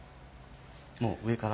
もう上から。